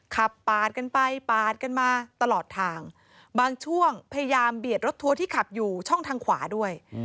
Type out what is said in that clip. ขับปาดกันไปปาดกันมาตลอดทางบางช่วงพยายามเบียดรถทัวร์ที่ขับอยู่ช่องทางขวาด้วย